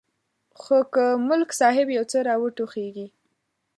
خو که ملک صاحب یو څه را وټوخېږي.